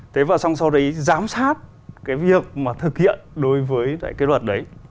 thế và xong sau đấy giám sát cái việc mà thực hiện đối với cái luật đấy